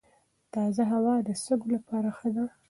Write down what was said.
تازه هوا د سږو لپاره ښه ده.